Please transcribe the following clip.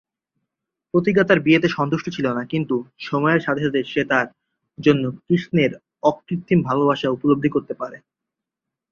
প্রতিজ্ঞা তার বিয়েতে সন্তুষ্ট ছিল না কিন্তু সময়ের সাথে সাথে সে তার জন্য কৃষ্ণের অকৃত্রিম ভালবাসা উপলব্ধি করতে পারে।